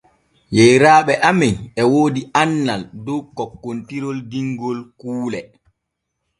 Yeyraaɓe amen e woodi annal dow kokkontirol dingol kuule.